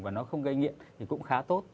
và nó không gây nghiện thì cũng khá tốt